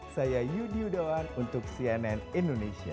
saya yudhiyo doan untuk cnn indonesia